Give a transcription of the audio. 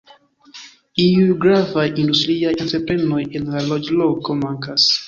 Iuj gravaj industriaj entreprenoj en la loĝloko mankas.